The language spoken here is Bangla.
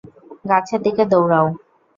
গাছের দিকে দৌড়াও!